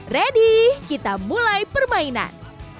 ready kita mulai permainan